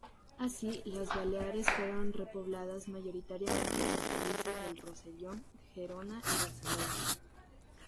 Así, las Baleares fueron repobladas mayoritariamente por payeses del Rosellón, Gerona y Barcelona.